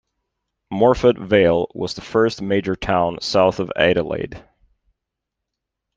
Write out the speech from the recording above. Morphett Vale was the first major town south of Adelaide.